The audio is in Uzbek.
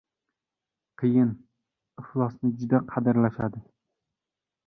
— Qiyin, iflosni juda qadrlashadi.